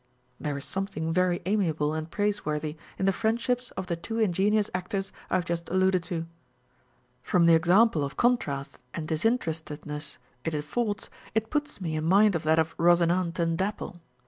There is something very amiable and praiseworthy in the friendships of the two ingenious actors I have just alluded to : from the example of contrast and disinterestedness it affords, it puts me in mind of that of Rosinante and Dapple.